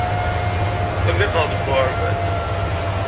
Tqelliqeɣ deg uɣerbaz.